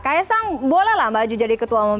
keisan boleh lah mbak ju jadi ketua umum